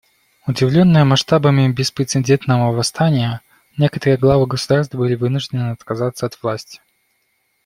Удивленные масштабами беспрецедентного восстания, некоторые главы государств были вынуждены отказаться от власти.